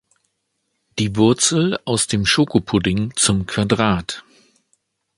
Die Wurzel aus dem Schokopudding zum Quadrat.